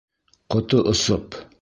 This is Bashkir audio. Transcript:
Ҡото осоп: